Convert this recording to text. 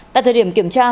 tại thời điểm kiểm tra